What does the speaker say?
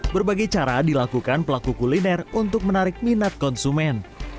berbagai cara dilakukan pelaku kuliner untuk menarik minat konsumen